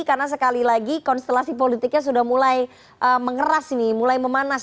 karena sekali lagi konstelasi politiknya sudah mulai mengeras ini mulai memanas